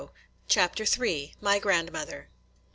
CHAPTER III. MY GRANDMOTHER.